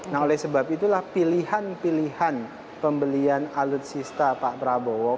nah oleh sebab itulah pilihan pilihan pembelian alutsista pak prabowo